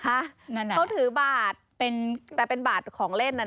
เขาถือบาดแต่เป็นบาดของเล่นน่ะนะ